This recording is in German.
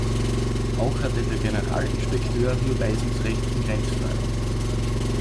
Auch hatte der Generalinspekteur nur Weisungsrecht in Grenzfragen.